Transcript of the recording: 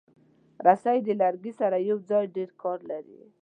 رسۍ د لرګي سره یوځای ډېر کار لري.